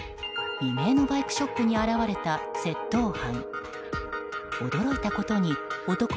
未明のバイクショップに現れた窃盗犯。